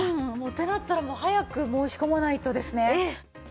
ってなったら早く申し込まないとですね。